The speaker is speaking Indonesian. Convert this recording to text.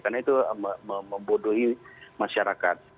karena itu membodohi masyarakat